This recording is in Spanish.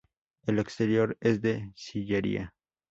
El exterior es de sillería.